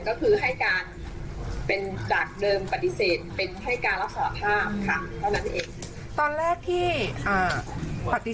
ก็คือให้การเป็นจากเดิมปฏิเสธเป็นให้การรับสารภาพค่ะ